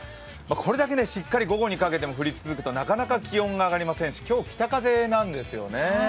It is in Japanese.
これだけ午後にかけて雨が続くとなかなか気温が上がらないし今日、北風なんですよね。